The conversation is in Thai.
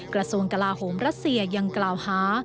กระทรวงกลาโหมรัสเซียยังกล่าวหา